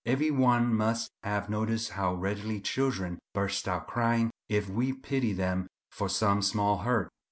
Every one must have noticed how readily children burst out crying if we pity them for some small hurt.